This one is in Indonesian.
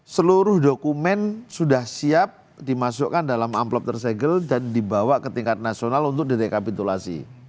seluruh dokumen sudah siap dimasukkan dalam amplop tersegel dan dibawa ke tingkat nasional untuk direkapitulasi